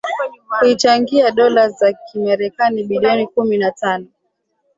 kuichangia dola za kimarekani bilioni kumi na tano